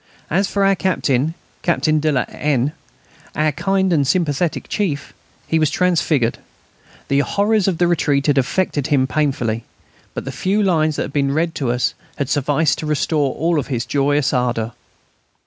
As for our captain, Captain de la N., our kind and sympathetic chief, he was transfigured. The horrors of the retreat had affected him painfully, but the few lines that had been read to us had sufficed to restore all his joyous ardour.